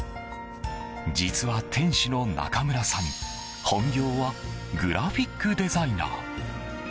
実は店主の中村さん本業はグラフィックデザイナー。